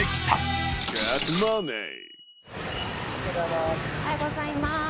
おはようございます。